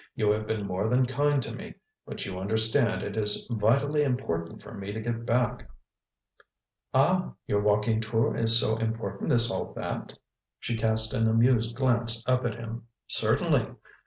You have been more than kind to me. But you understand it is vitally important for me to get back." "Ah—your walking tour is so important as all that?" She cast an amused glance up at him. "Certainly."